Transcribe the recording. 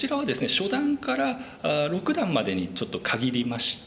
初段から六段までにちょっと限りまして。